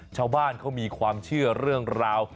ชาวบ้านเขามีความเชื่อเรื่องราว